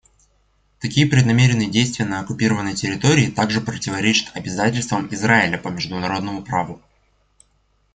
Такие преднамеренные действия на оккупированной территории также противоречат обязательствам Израиля по международному праву».